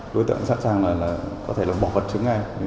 đối tượng sẵn sàng là có thể là bỏ vật chứng ngay